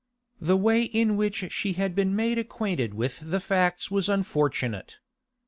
The way in which she had been made acquainted with the facts was unfortunate.